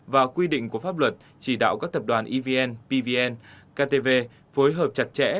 và quy định của pháp luật chỉ đạo các tập đoàn evn pvn ktv phối hợp chặt chẽ